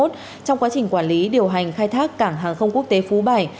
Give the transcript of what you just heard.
trong quá trình quản lý điều hành khai thác cảng hàng không quốc tế phú bài